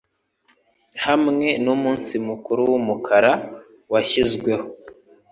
Hamwe n'umunsi mukuru w'umukara washyizweho